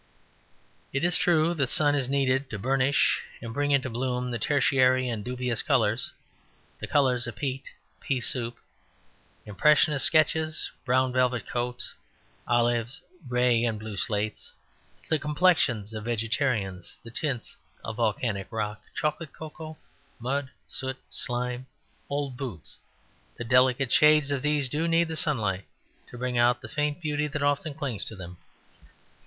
It is true that sun is needed to burnish and bring into bloom the tertiary and dubious colours; the colour of peat, pea soup, Impressionist sketches, brown velvet coats, olives, grey and blue slates, the complexions of vegetarians, the tints of volcanic rock, chocolate, cocoa, mud, soot, slime, old boots; the delicate shades of these do need the sunlight to bring out the faint beauty that often clings to them.